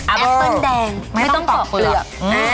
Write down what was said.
แอปเปิ้ลแดงไม่ต้องปอกเปลือก